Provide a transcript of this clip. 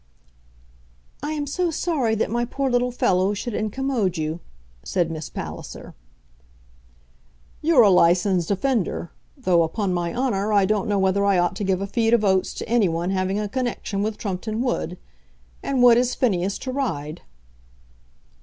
"I am so sorry that my poor little fellow should incommode you," said Miss Palliser. "You're a licensed offender, though, upon my honour, I don't know whether I ought to give a feed of oats to any one having a connection with Trumpeton Wood. And what is Phineas to ride?"